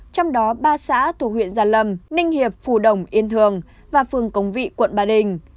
trong đó ba xã thuộc huyện gia lâm ninh hiệp phù đồng yên thường và phường công vị quận ba đình